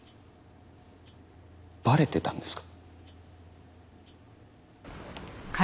バレてたんですか？